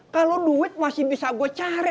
kalau duit masih bisa gue cari